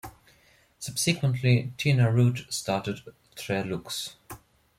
Subsequently, Tina Root started Tre Lux.